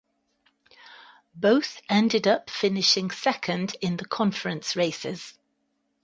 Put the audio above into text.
Both ended up finishing second in the Conference races.